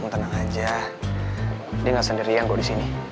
kamu tenang aja dia gak sendirian kok disini